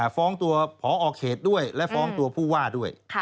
ฟ้องตัวพอเขตด้วยและฟ้องตัวผู้ว่าด้วย